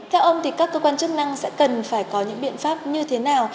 theo ông thì các cơ quan chức năng sẽ cần phải có những biện pháp như thế nào